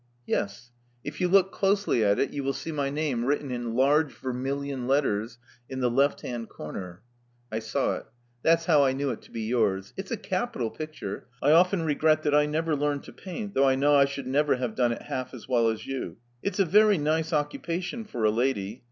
Yes. If you look closely at it you will see my name written in large vermilion letters in the left hand comer." I saw^it. That's how I knew it to be yours. It's a capital 4)icture : I often regret that I never learned to paint, though I know I should never have done it half as well as you. It's a very nice occupation for a lady.